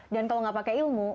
dan kalau enggak pakai ilmu